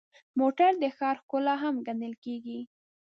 موټر د ښار ښکلا هم ګڼل کېږي.